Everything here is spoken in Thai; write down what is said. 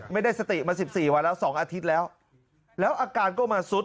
ไม่ได้สติมา๑๔วันแล้ว๒อาทิตย์แล้วแล้วอาการก็มาซุด